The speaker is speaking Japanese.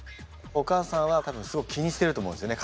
お母さんは多分すごく気にしてると思うんですよね